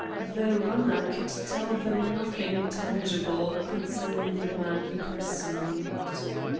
The "runner" could tell them nothing tangible concerning the man he pursued.